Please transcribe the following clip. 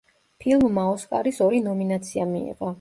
ფილმმა ოსკარის ორი ნომინაცია მიიღო.